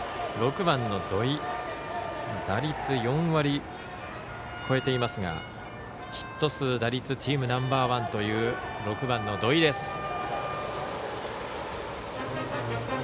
６番の土肥打率４割超えていますがヒット数、打率チームナンバーワンという６番の土肥です。